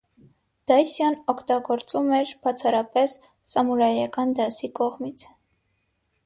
Դայսյոն օգտագործվում էր բացառապես սամուրայական դասի կողմից։